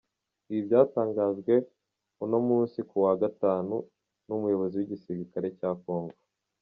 Ibi byatangajwe, uno musi ku wa gatanu, n’umuyobozi w’igisirikare cya Kongo.